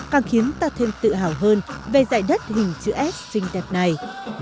càng khiến ta thêm tự hào hơn về dạy đất hình chữ s trinh đẹp này